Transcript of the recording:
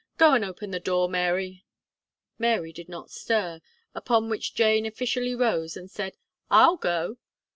"Go, and open the door, Mary." Mary did not stir, upon which Jane officiously rose and said, "I'll go."